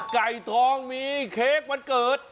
ไก่ทองมีเค้กวันเกิด